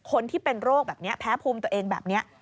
คนที่เป็นโรคแบบนี้แพ้ภูมิตัวเองแบบนี้